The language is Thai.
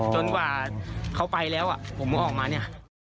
จนกว่าเขาไปแล้วผมออกมาเนี่ย